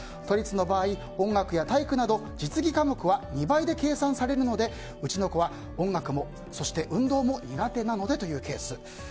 都立の場合、音楽や体育など実技科目は２倍で計算されるのでうちの子は音楽も、そして運動も苦手なのでというケース。